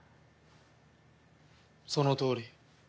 そのとおり。